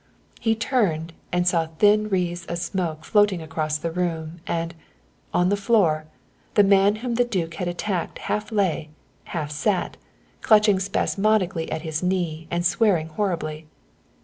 He turned and saw thin wreaths of smoke floating across the room, and, on the floor, the man whom the duke had attacked half lay, half sat, clutching spasmodically at his knee and swearing horribly.